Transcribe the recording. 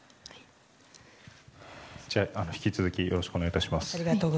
引き続きよろしくお願いします。